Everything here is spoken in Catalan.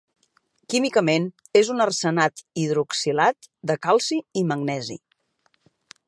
Químicament és un arsenat hidroxilat de calci i magnesi.